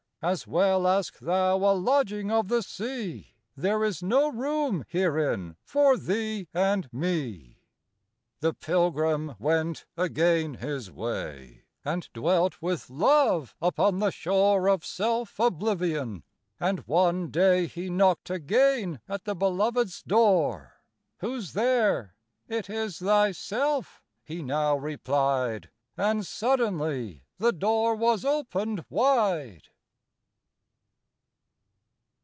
As well ask thou a lodging of the sea,— There is no room herein for thee and me." The Pilgrim went again his way And dwelt with Love upon the shore Of self oblivion; and one day He knocked again at the Beloved's door. "Whose there?"—"It is thyself," he now replied, And suddenly the door was opened wide.